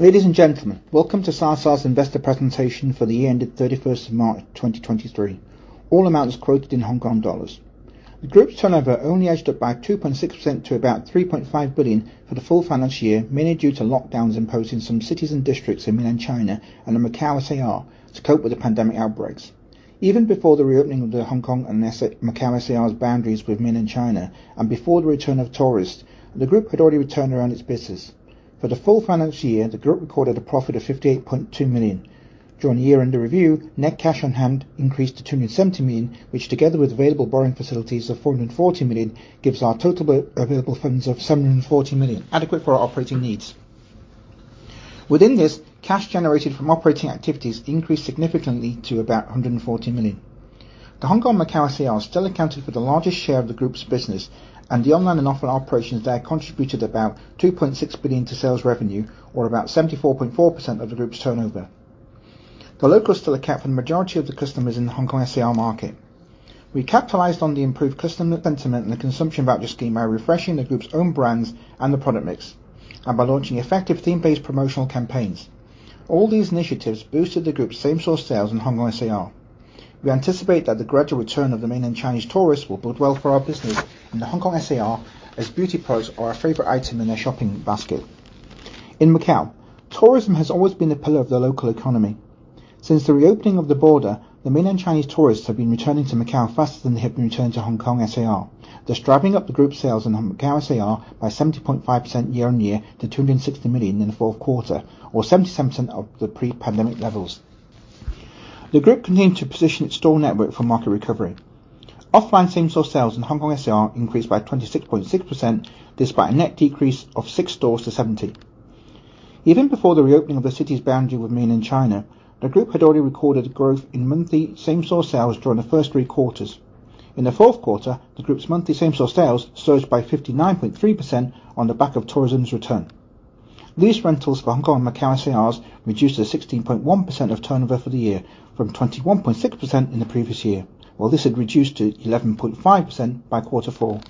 Ladies and gentlemen, welcome to Sa Sa's Investor Presentation for the year ended 31st of March 2023. All amounts quoted in Hong Kong dollars. The group's turnover only edged up by 2.6% to about 3.5 billion for the full financial year, mainly due to lockdowns imposed in some cities and districts in Mainland China and the Macau SAR, to cope with the pandemic outbreaks. Even before the reopening of the Hong Kong and SAR, Macau SAR's boundaries with Mainland China, and before the return of tourists, the group had already turned around its business. For the full financial year, the group recorded a profit of 58.2 million. During the year under review, net cash on hand increased to 270 million, which, together with available borrowing facilities of 440 million, gives our total available funds of 740 million, adequate for our operating needs. Within this, cash generated from operating activities increased significantly to about 140 million. The Hong Kong and Macau SAR still accounted for the largest share of the group's business, and the online and offline operations there contributed about 2.6 billion to sales revenue, or about 74.4% of the group's turnover. The locals still account for the majority of the customers in the Hong Kong SAR market. We capitalized on the improved customer sentiment and the Consumption Voucher Scheme by refreshing the group's own brands and the product mix, and by launching effective theme-based promotional campaigns. All these initiatives boosted the group's same-store sales in Hong Kong SAR. We anticipate that the gradual return of the Mainland Chinese tourists will bode well for our business in the Hong Kong SAR, as beauty products are our favorite item in their shopping basket. In Macau, tourism has always been a pillar of the local economy. Since the reopening of the border, the Mainland Chinese tourists have been returning to Macau faster than they have been returning to Hong Kong SAR. Driving up the group's sales in Macau SAR by 70.5% year-on-year, to 260 million in the fourth quarter, or 77% of the pre-pandemic levels. The group continued to position its store network for market recovery. Offline same-store sales in Hong Kong SAR increased by 26.6%, despite a net decrease of 6 stores to 70. Even before the reopening of the city's boundary with Mainland China, the group had already recorded growth in monthly same-store sales during the first three quarters. In the fourth quarter, the group's monthly same-store sales surged by 59.3% on the back of tourism's return. These rentals for Hong Kong and Macau SARs reduced to 16.1% of turnover for the year, from 21.6% in the previous year, while this had reduced to 11.5% by quarter four.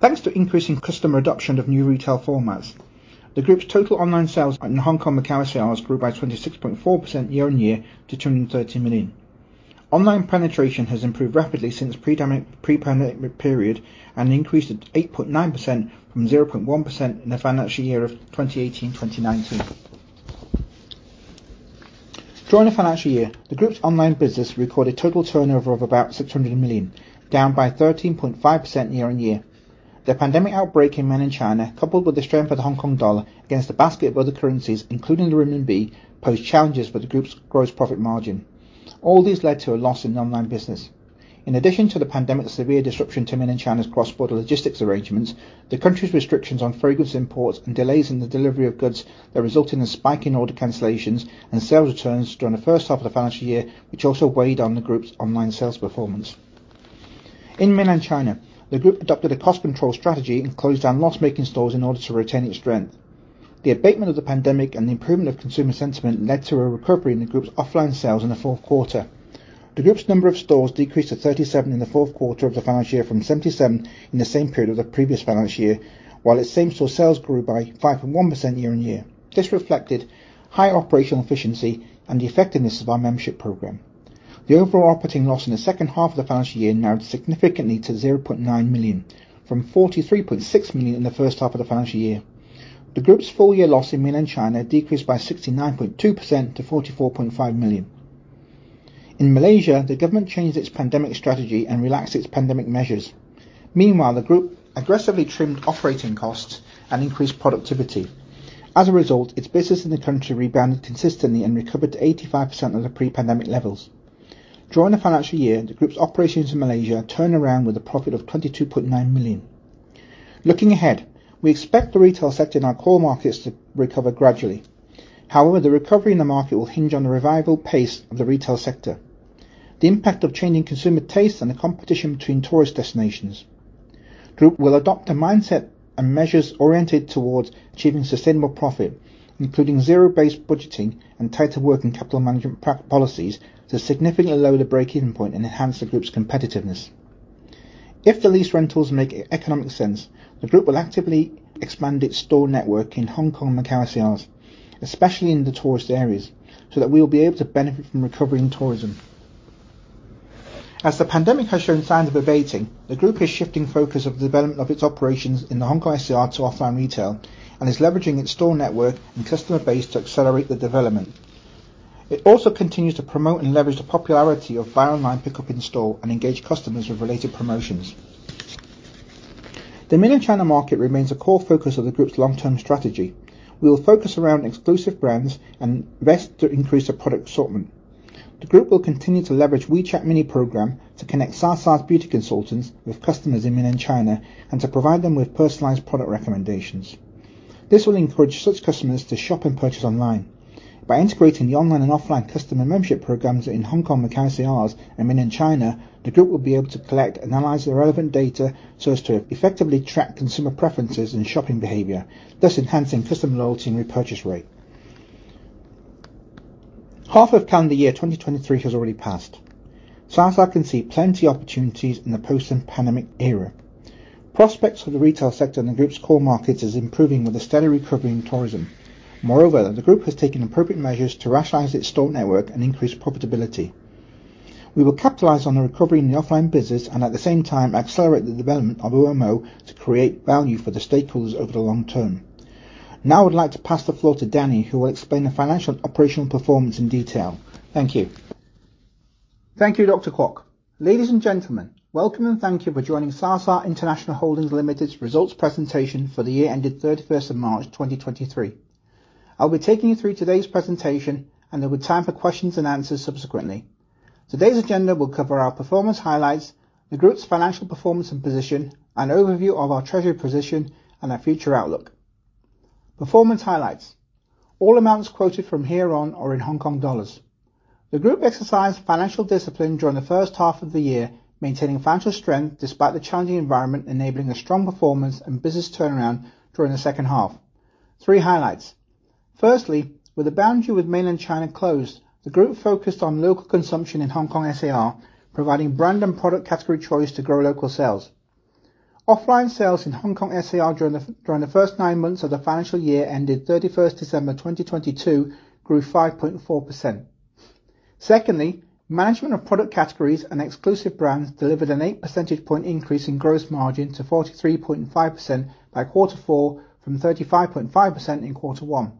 Thanks to increasing customer adoption of new retail formats, the group's total online sales in Hong Kong, Macau, SARs grew by 26.4% year-on-year to 230 million. Online penetration has improved rapidly since pre-pandemic period, and increased to 8.9% from 0.1% in the financial year of 2018-2019. During the financial year, the group's online business recorded total turnover of about 600 million, down by 13.5% year-on-year. The pandemic outbreak in Mainland China, coupled with the strength of the Hong Kong dollar against a basket of other currencies, including the renminbi, posed challenges for the group's gross profit margin. All these led to a loss in the online business. In addition to the pandemic's severe disruption to Mainland China's cross-border logistics arrangements, the country's restrictions on fragrance imports and delays in the delivery of goods are resulting in a spike in order cancellations and sales returns during the first half of the financial year, which also weighed on the group's online sales performance. In Mainland China, the group adopted a cost control strategy and closed down loss-making stores in order to retain its strength. The abatement of the pandemic and the improvement of consumer sentiment led to a recovery in the group's offline sales in the fourth quarter. The group's number of stores decreased to 37 in the fourth quarter of the financial year, from 77 in the same period of the previous financial year, while its same-store sales grew by 5.1% year-on-year. This reflected high operational efficiency and the effectiveness of our membership program. The overall operating loss in the second half of the financial year narrowed significantly to 0.9 million, from 43.6 million in the first half of the financial year. The group's full year loss in Mainland China decreased by 69.2% to 44.5 million. In Malaysia, the government changed its pandemic strategy and relaxed its pandemic measures. Meanwhile, the group aggressively trimmed operating costs and increased productivity. Its business in the country rebounded consistently and recovered to 85% of the pre-pandemic levels. During the financial year, the group's operations in Malaysia turned around with a profit of 22.9 million. Looking ahead, we expect the retail sector in our core markets to recover gradually. The recovery in the market will hinge on the revival pace of the retail sector, the impact of changing consumer tastes and the competition between tourist destinations. The group will adopt a mindset and measures oriented towards achieving sustainable profit, including zero-based budgeting and tighter working capital management policies, to significantly lower the break-even point and enhance the group's competitiveness. If the lease rentals make economic sense, the group will actively expand its store network in Hong Kong and Macau SARs, especially in the tourist areas, so that we will be able to benefit from recovering tourism. As the pandemic has shown signs of abating, the group is shifting focus of the development of its operations in the Hong Kong SAR to offline retail, and is leveraging its store network and customer base to accelerate the development. It also continues to promote and leverage the popularity of buy online, pickup in-store, and engage customers with related promotions. The Mainland China market remains a core focus of the group's long-term strategy. We will focus around exclusive brands and invest to increase the product assortment. The group will continue to leverage WeChat Mini Program to connect Sa Sa's beauty consultants with customers in Mainland China, and to provide them with personalized product recommendations. This will encourage such customers to shop and purchase online. By integrating the online and offline customer membership programs in Hong Kong, Macau SARs, and Mainland China, the group will be able to collect and analyze the relevant data so as to effectively track consumer preferences and shopping behavior, thus enhancing customer loyalty and repurchase rate. Half of calendar year 2023 has already passed. Sa Sa can see plenty opportunities in the post-pandemic era. Prospects for the retail sector in the group's core markets is improving with a steady recovery in tourism. Moreover, the group has taken appropriate measures to rationalize its store network and increase profitability. We will capitalize on the recovery in the offline business and at the same time, accelerate the development of OMO to create value for the stakeholders over the long term. Now, I would like to pass the floor to Danny, who will explain the financial operational performance in detail. Thank you. Thank you, Dr. Kwok. Ladies and gentlemen, welcome, and thank you for joining Sa Sa International Holdings Limited's results presentation for the year ending 31st of March, 2023. I'll be taking you through today's presentation, and there will be time for questions and answers subsequently. Today's agenda will cover our performance highlights, the group's financial performance and position, an overview of our treasury position, and our future outlook. Performance highlights. All amounts quoted from hereon are in Hong Kong dollars. The group exercised financial discipline during the first half of the year, maintaining financial strength despite the challenging environment, enabling a strong performance and business turnaround during the second half. Three highlights: firstly, with the boundary with mainland China closed, the group focused on local consumption in Hong Kong SAR, providing brand and product category choice to grow local sales. Offline sales in Hong Kong SAR during the first nine months of the financial year ended December 31, 2022, grew 5.4%. Secondly, management of product categories and exclusive brands delivered an 8 percentage point increase in gross margin to 43.5% by Quarter Four from 35.5% in Quarter One.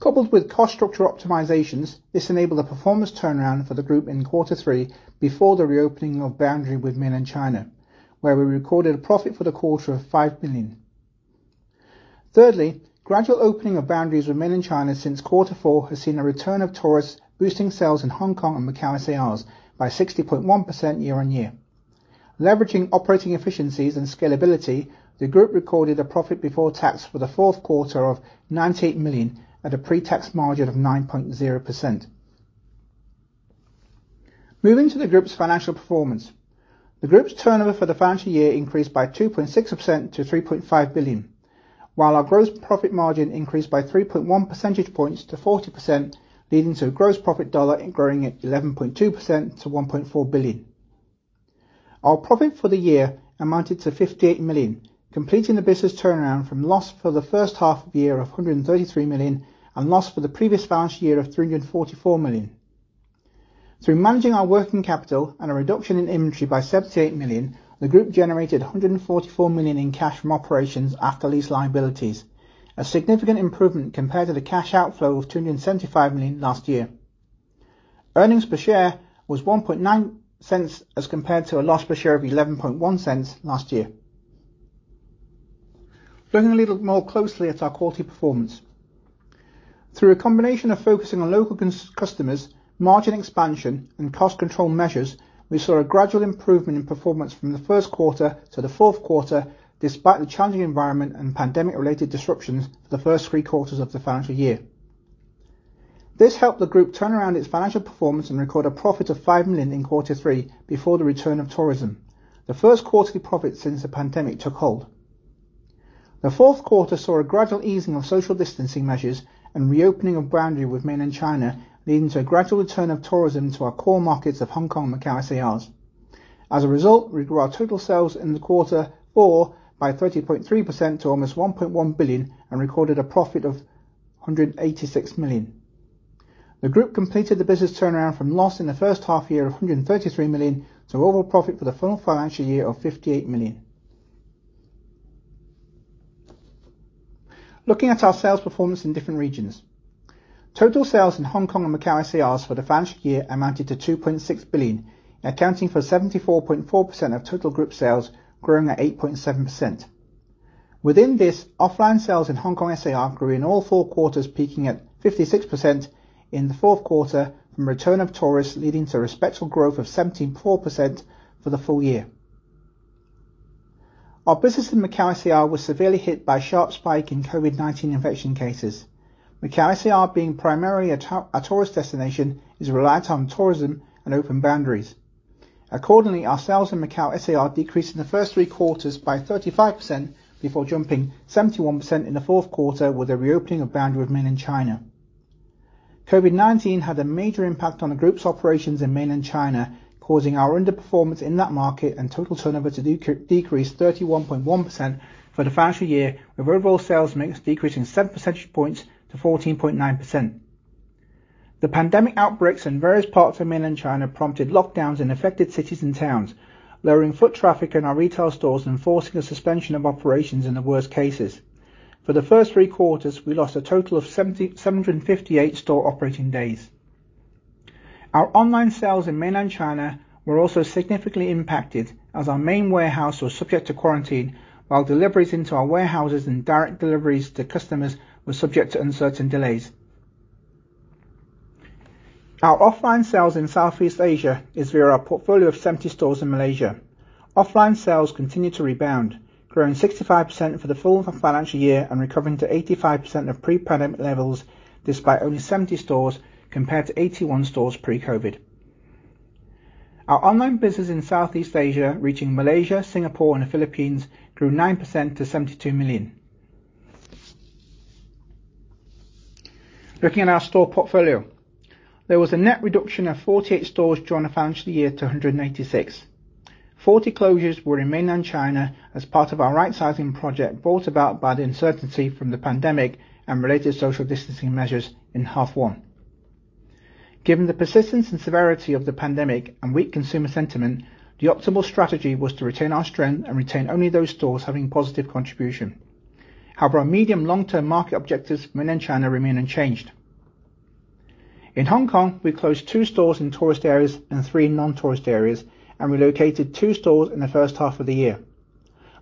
Coupled with cost structure optimizations, this enabled a performance turnaround for the group in Quarter Three before the reopening of boundary with Mainland China, where we recorded a profit for the quarter of 5 million. Thirdly, gradual opening of boundaries with Mainland China since Quarter Four has seen a return of tourists, boosting sales in Hong Kong and Macau SAR by 60.1% year-on-year. Leveraging operating efficiencies and scalability, the group recorded a profit before tax for the fourth quarter of 98 million at a pre-tax margin of 9.0%. Moving to the group's financial performance. The group's turnover for the financial year increased by 2.6% to 3.5 billion, while our gross profit margin increased by 3.1 percentage points to 40%, leading to a gross profit dollar and growing at 11.2% to 1.4 billion. Our profit for the year amounted to 58 million, completing the business turnaround from loss for the first half of the year of 133 million and loss for the previous financial year of 344 million. Through managing our working capital and a reduction in inventory by 78 million, the group generated 144 million in cash from operations after lease liabilities. A significant improvement compared to the cash outflow of 275 million last year. Earnings per share was 0.019, as compared to a loss per share of 0.111 last year. Looking a little more closely at our quarterly performance. Through a combination of focusing on local customers, margin expansion, and cost control measures, we saw a gradual improvement in performance from the first quarter to the fourth quarter, despite the challenging environment and pandemic-related disruptions for the first three quarters of the financial year. This helped the group turn around its financial performance and record a profit of 5 million in Quarter 3 before the return of tourism, the first quarterly profit since the pandemic took hold. The fourth quarter saw a gradual easing of social distancing measures and reopening of boundary with Mainland China, leading to a gradual return of tourism to our core markets of Hong Kong and Macao SAR. We grew our total sales in the Quarter Four by 30.3% to almost 1.1 billion and recorded a profit of 186 million. The group completed the business turnaround from loss in the first half year of 133 million to an overall profit for the full financial year of 58 million. Looking at our sales performance in different regions. Total sales in Hong Kong and Macao SAR for the financial year amounted to 2.6 billion, accounting for 74.4% of total group sales, growing at 8.7%. Within this, offline sales in Hong Kong SAR grew in all four quarters, peaking at 56% in the fourth quarter from a return of tourists, leading to a respectable growth of 17.4% for the full year. Our business in Macao SAR was severely hit by a sharp spike in COVID-19 infection cases. Macao SAR, being primarily a tourist destination, is reliant on tourism and open boundaries. Our sales in Macao SAR decreased in the first three quarters by 35%, before jumping 71% in the fourth quarter with the reopening of boundary with Mainland China. COVID-19 had a major impact on the group's operations in Mainland China, causing our underperformance in that market and total turnover to decrease 31.1% for the financial year, with overall sales mix decreasing 7 percentage points to 14.9%. The pandemic outbreaks in various parts of Mainland China prompted lockdowns in affected cities and towns, lowering foot traffic in our retail stores and forcing a suspension of operations in the worst cases. For the first three quarters, we lost a total of 758 store operating days. Our online sales in Mainland China were also significantly impacted, as our main warehouse was subject to quarantine, while deliveries into our warehouses and direct deliveries to customers were subject to uncertain delays. Our offline sales in Southeast Asia is via our portfolio of 70 stores in Malaysia. Offline sales continued to rebound, growing 65% for the full of financial year and recovering to 85% of pre-pandemic levels, despite only 70 stores, compared to 81 stores pre-COVID. Our online business in Southeast Asia, reaching Malaysia, Singapore, and the Philippines, grew 9% to 72 million. Looking at our store portfolio, there was a net reduction of 48 stores during the financial year to 186. 40 closures were in Mainland China as part of our rightsizing project, brought about by the uncertainty from the pandemic and related social distancing measures in half one. Given the persistence and severity of the pandemic and weak consumer sentiment, the optimal strategy was to retain our strength and retain only those stores having positive contribution. Our medium long-term market objectives for Mainland China remain unchanged. In Hong Kong, we closed two stores in tourist areas and three non-tourist areas, and relocated two stores in the first half of the year.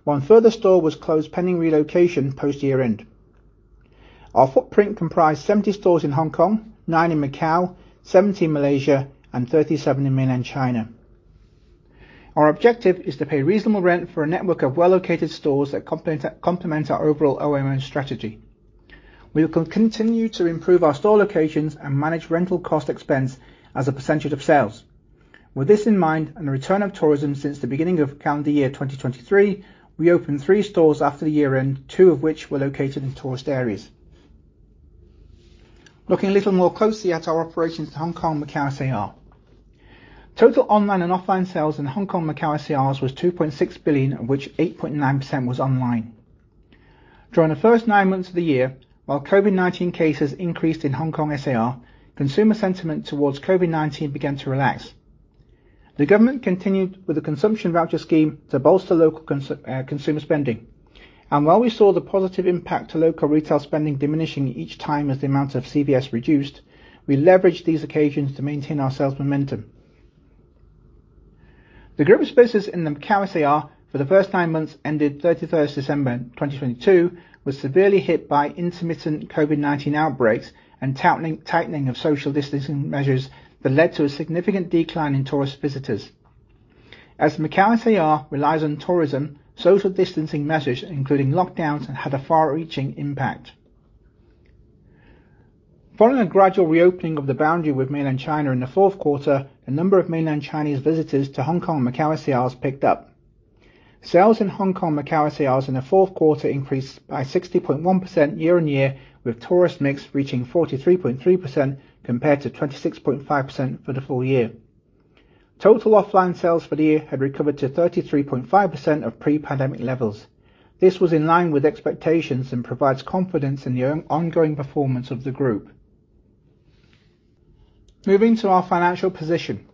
One further store was closed, pending relocation post-year-end. Our footprint comprised 70 stores in Hong Kong, nine in Macau, 70 in Malaysia, and 37 in Mainland China. Our objective is to pay reasonable rent for a network of well-located stores that complement our overall OMO strategy. We will continue to improve our store locations and manage rental cost expense as a % of sales. With this in mind, and the return of tourism since the beginning of calendar year 2023, we opened three stores after the year-end, two of which were located in tourist areas. Looking a little more closely at our operations in Hong Kong, Macau, SAR. Total online and offline sales in Hong Kong, Macau, SAR was HKD 2.6 billion, of which 8.9% was online. During the first nine months of the year, while COVID-19 cases increased in Hong Kong, SAR, consumer sentiment towards COVID-19 began to relax. The government continued with the Consumption Voucher Scheme to bolster local consumer spending. While we saw the positive impact to local retail spending diminishing each time as the amount of CVS reduced, we leveraged these occasions to maintain our sales momentum. The group's business in the Macau SAR, for the first nine months ended 31st December 2022, was severely hit by intermittent COVID-19 outbreaks and tightening of social distancing measures that led to a significant decline in tourist visitors. As Macau SAR relies on tourism, social distancing measures, including lockdowns, had a far-reaching impact. Following the gradual reopening of the boundary with Mainland China in the fourth quarter, the number of Mainland Chinese visitors to Hong Kong, Macau, SAR, picked up. Sales in Hong Kong, Macau, SAR, in the fourth quarter increased by 60.1% year-on-year, with tourist mix reaching 43.3%, compared to 26.5% for the full year. Total offline sales for the year had recovered to 33.5% of pre-pandemic levels. This was in line with expectations and provides confidence in the ongoing performance of the group. Moving to our financial position.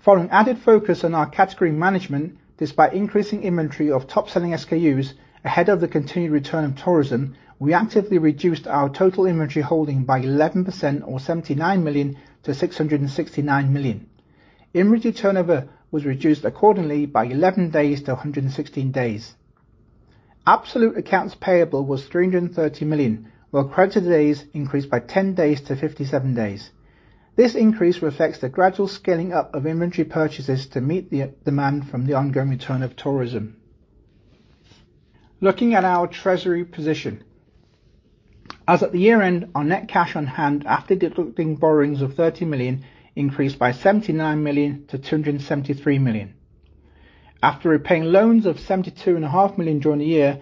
Following added focus on our category management, despite increasing inventory of top-selling SKUs ahead of the continued return of tourism, we actively reduced our total inventory holding by 11%, or 79 million to 669 million. Inventory turnover was reduced accordingly by 11 days to 116 days. Absolute accounts payable was 330 million, while credit days increased by 10 days to 57 days. This increase reflects the gradual scaling up of inventory purchases to meet the demand from the ongoing return of tourism. Looking at our treasury position. As at the year-end, our net cash on hand, after deducting borrowings of 30 million, increased by 79 million to 273 million. After repaying loans of 72 and a half million during the year,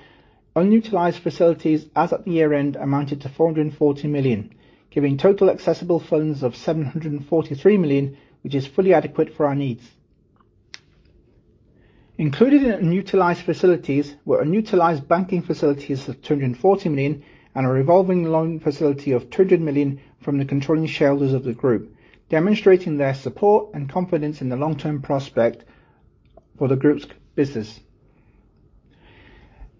unutilized facilities as at the year-end amounted to 440 million, giving total accessible funds of 743 million, which is fully adequate for our needs. Included in unutilized facilities were unutilized banking facilities of 240 million, and a revolving loan facility of 200 million from the controlling shareholders of the group, demonstrating their support and confidence in the long-term prospect for the group's business.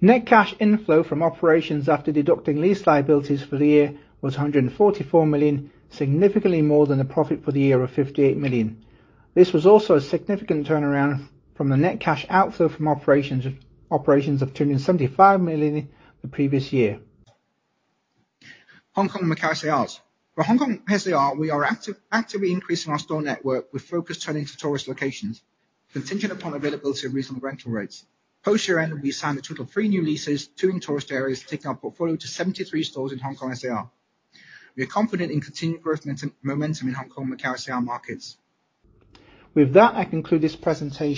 Net cash inflow from operations, after deducting lease liabilities for the year, was 144 million, significantly more than the profit for the year of 58 million. This was also a significant turnaround from the net cash outflow from operations of 275 million the previous year. Hong Kong and Macau, SARs. For Hong Kong, SAR, we are actively increasing our store network, with focus turning to tourist locations, contingent upon availability of reasonable rental rates. Post year-end, we signed a total of 3 new leases, 2 in tourist areas, taking our portfolio to 73 stores in Hong Kong, SAR. We are confident in continued growth momentum in Hong Kong, Macau, SAR markets. I conclude this presentation.